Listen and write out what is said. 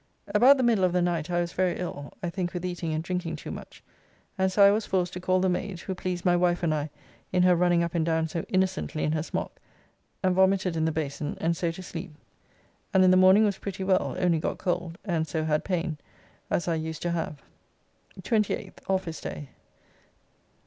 About the middle of the night I was very ill I think with eating and drinking too much and so I was forced to call the maid, who pleased my wife and I in her running up and down so innocently in her smock, and vomited in the bason, and so to sleep, and in the morning was pretty well, only got cold, and so had pain.... as I used to have. 28th. Office day.